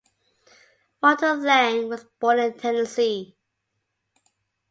Walter Lang was born in Tennessee.